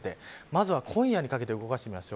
まずは、今夜にかけて動かしてみます。